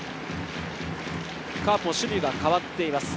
カープも守備が代わっています。